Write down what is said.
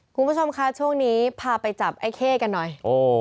คุณผู้ชมคะช่วงนี้พาไปจับไอ้เข้กันหน่อย